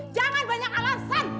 jangan banyak alasan